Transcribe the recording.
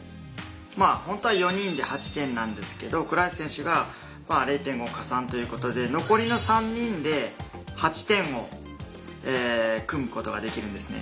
まあほんとは４人で８点なんですけど倉橋選手が０．５加算ということで残りの３人で８点を組むことができるんですね。